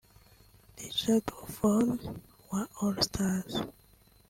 Richard Ofori (Wa All Stars)